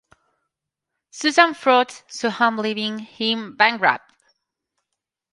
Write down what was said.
Suzanne frauds Soham leaving him bankrupt.